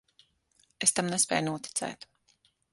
Es tam nespēju noticēt.